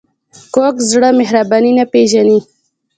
کوږ زړه مهرباني نه پېژني